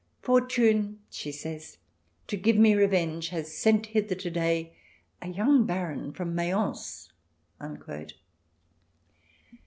" Fortune," she says, " to give me revenge, has sent hither to day a young baron from Mayence."